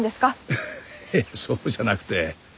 いやいやそうじゃなくて。